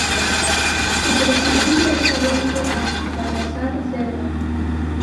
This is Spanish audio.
Su presidente es Adolfo A. Salazar Cerda.